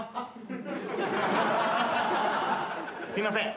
すいません。